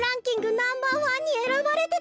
ナンバーワンにえらばれてたわ。